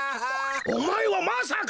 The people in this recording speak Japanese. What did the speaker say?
おまえはまさか！？